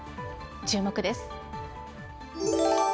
注目です。